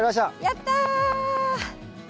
やった！